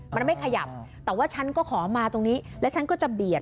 มันไม่ขยับแต่ว่าฉันก็ขอมาตรงนี้แล้วฉันก็จะเบียด